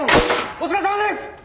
お疲れさまです。